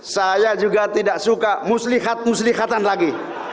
saya juga tidak suka muslihat muslihatan lagi